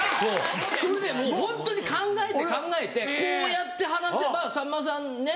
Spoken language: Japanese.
それでもうホントに考えて考えてこうやって話せばさんまさんね